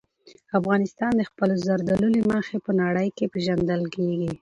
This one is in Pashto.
افغانستان د خپلو زردالو له مخې په نړۍ کې پېژندل کېږي.